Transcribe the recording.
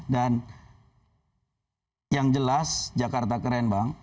dan yang jelas jakarta keren bang